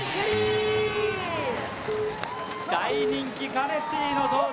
大人気かねちーの登場